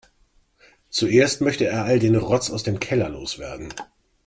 Zuerst möchte er all den Rotz aus dem Keller loswerden.